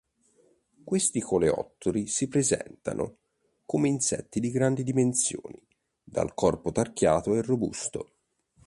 Questi coleotteri si presentano come insetti di grandi dimensioni, dal corpo tarchiato e robusto.